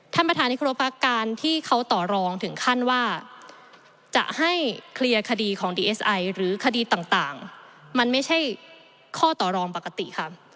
ท่านประธานที่ครบค่ะการที่เขาต่อรองถึงขั้นว่าจะให้เคลียร์คดีของดีเอสไอหรือคดีต่างมันไม่ใช่ข้อต่อรองปกติค่ะ